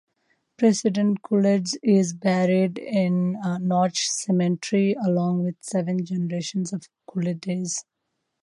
President Coolidge is buried in Notch Cemetery, along with seven generations of Coolidges.